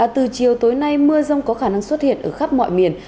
từ chiều tối nay mưa rông có khả năng xuất hiện ở khắp mọi miền